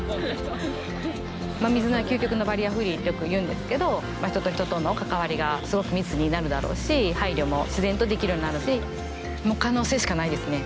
水の上究極のバリアフリーってよくいうんですけど人と人との関わりがすごく密になるだろうし配慮も自然とできるようになるし可能性しかないですね